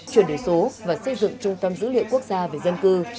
chuyển đổi số và xây dựng trung tâm dữ liệu quốc